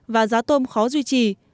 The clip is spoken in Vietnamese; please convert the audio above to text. và giá tôm khó duy trì